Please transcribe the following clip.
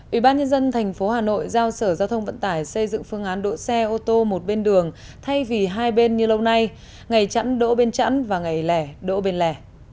ủy ban nhân dân thành phố hà nội giao sở giao thông vận tải xây dựng phương án đỗ xe ô tô một bên đường thay vì hai bên như lâu nay ngày chẵn đỗ bên chẵn và ngày lẻ đỗ bên lề